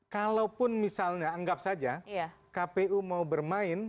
kalaupun misalnya anggap saja kpu mau bermain